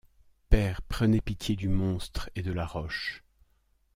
Père, prenez pitié du monstre et de la roche.